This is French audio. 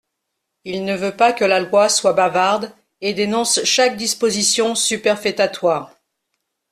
Il ne veut pas que la loi soit bavarde et dénonce chaque disposition superfétatoire.